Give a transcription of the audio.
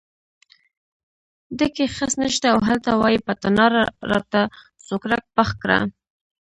ډکی خس نشته او هلته وایې په تناره راته سوکړک پخ کړه.